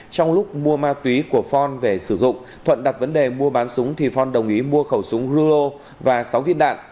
trong lúc mua ma túy của phong về sử dụng thuận đặt vấn đề mua bán súng thì phong đồng ý mua khẩu súng rulo và sáu viên đạn